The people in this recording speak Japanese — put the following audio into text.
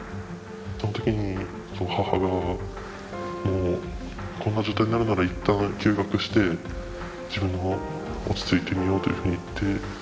その時に母が「もうこんな状態になるならいったん休学して自分を落ち着いてみよう」というふうに言って。